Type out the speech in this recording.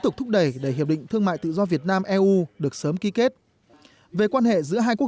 tục thúc đẩy để hiệp định thương mại tự do việt nam eu được sớm ký kết về quan hệ giữa hai quốc